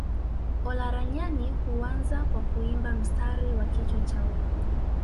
Olaranyani huanza kwa kuimba mstari wa kichwa cha wimbo